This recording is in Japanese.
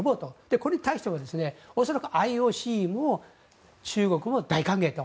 これに対しては恐らくＩＯＣも中国も大歓迎と。